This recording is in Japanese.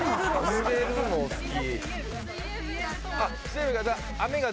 「濡れるの好き」？